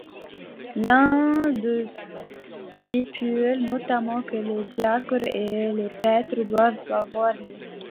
L'un d'eux stipule notamment que les diacres et les prêtres doivent savoir lire.